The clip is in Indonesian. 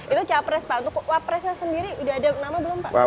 itu capres pak untuk wapresnya sendiri udah ada nama belum pak